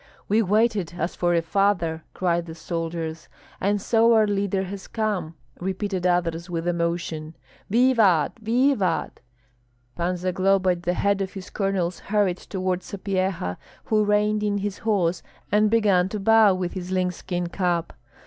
"We waited as for a father!" cried the soldiers. "And so our leader has come!" repeated others, with emotion. "Vivat, vivat!" Pan Zagloba, at the head of his colonels, hurried toward Sapyeha, who reined in his horse and began to bow with his lynx skin cap.